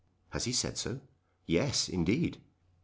"Has he said so?" "Yes; indeed."